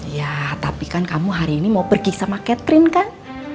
ya tapi kan kamu hari ini mau pergi sama catherine kan